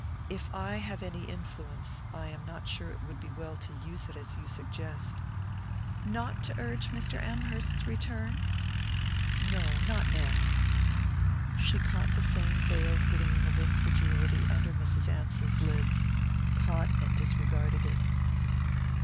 "If I have any influence, I am not sure it would be well to use it as you suggest." "Not to urge Mr. Amherst's return?" "No not now." She caught the same veiled gleam of incredulity under Mrs. Ansell's lids caught and disregarded it.